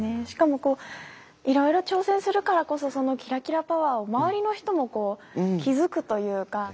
しかもいろいろ挑戦するからこそそのキラキラパワーを周りの人も気付くというか。